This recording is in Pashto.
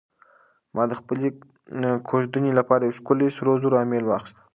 ما د خپلې کوژدنې لپاره یو ښکلی د سرو زرو امیل واخیست.